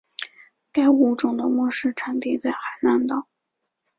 该物种的模式产地在海南岛。